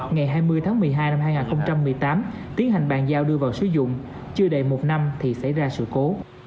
ngày hai mươi tháng một mươi hai năm hai nghìn một mươi tám tiến hành bàn giao đưa vào sử dụng chưa đầy một năm thì xảy ra sự cố